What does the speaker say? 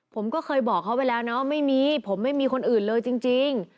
ผมก็เคยบอกเขาไปแล้วนะว่าไม่มีผมไม่มีคนอื่นเลยจริง